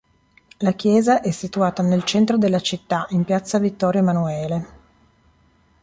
La chiesa è situata nel centro della città, in piazza Vittorio Emanuele.